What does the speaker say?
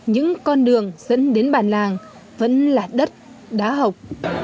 những con đường dẫn đến bản làng vẫn là đất đá hộc